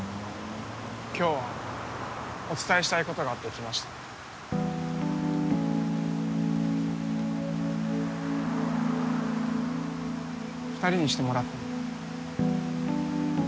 今日はお伝えしたいことがあって来ました二人にしてもらっても？